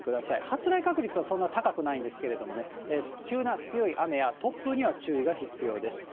発雷確率はそんな高くないんですけれどもね、急な強い雨や突風には注意が必要です。